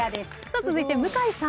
続いて向井さん。